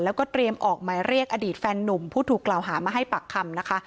แล้วก็เตรียมออกหมายเรียกอดีตแฟนนุ่มผู้ถูกกล่าวหามาให้ปากคำนะคะ